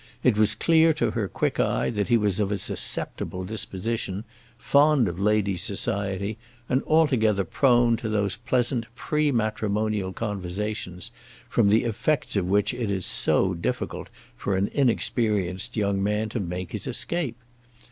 It was clear to her quick eye that he was of a susceptible disposition, fond of ladies' society, and altogether prone to those pleasant pre matrimonial conversations, from the effects of which it is so difficult for an inexperienced young man to make his escape.